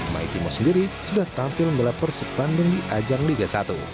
maetimo sendiri sudah tampil melaporsi bandung di ajang liga satu